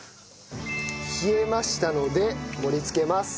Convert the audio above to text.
冷えましたので盛り付けます。